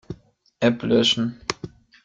App löschen.